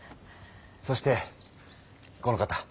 そしてこの方。